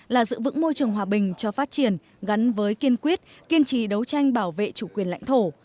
là giữ vững môi trường hòa bình cho phát triển gắn với kiên quyết kiên trì đấu tranh bảo vệ chủ quyền lãnh thổ